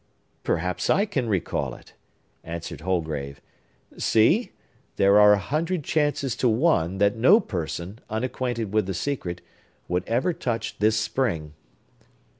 "Perhaps I can recall it," answered Holgrave. "See! There are a hundred chances to one that no person, unacquainted with the secret, would ever touch this spring."